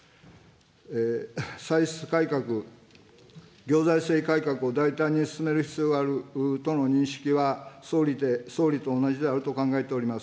歳出改革、行財政改革を大胆に進める必要があるとの認識は総理と同じであると考えております。